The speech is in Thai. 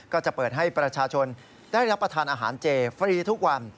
ก็จะเปิดให้ประชาชนได้รับประทานอาหารเจฟรีทุกวัน